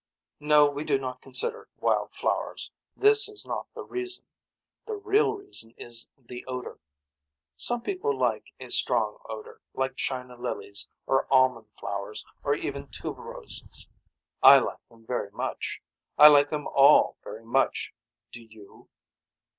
No we do not consider wild flowers. This is not the reason. The real reason is the odor. Some people like a strong odor like china lilies or almond flowers or even tube roses. I like them very much. I like them all very much. Do you.